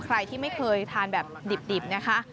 ใครที่ไม่เคยทานแบบดิบนะคะ